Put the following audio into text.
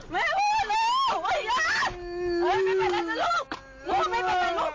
มันนั่นแล้ว